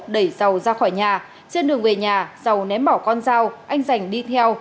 đẩy dầu ra khỏi nhà trên đường về nhà dầu ném bỏ con dao anh dành đi theo